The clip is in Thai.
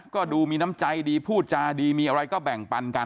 ก็ดูมีน้ำใจดีพูดจาดีมีอะไรก็แบ่งปันกัน